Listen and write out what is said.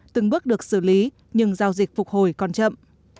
từng bước được xử lý nhưng giao dịch phục hồi còn chậm